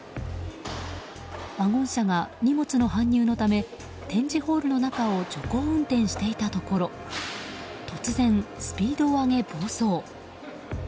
ワゴン車が荷物の搬入のため展示ホールの中を徐行運転していたところ突然スピードを上げ暴走。